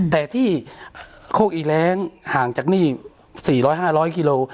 แต่ที่โครกอีแรงห่างจากนี่สี่ร้อยห้าร้อยกิโล